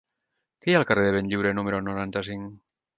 Què hi ha al carrer de Benlliure número noranta-cinc?